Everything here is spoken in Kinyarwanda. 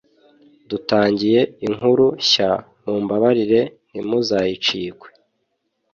dutangiye inkuru shya mumbabarire ntimuzayicikwe